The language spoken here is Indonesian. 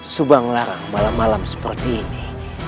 subang larang malam malam seperti ini